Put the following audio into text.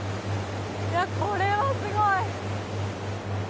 これはすごい。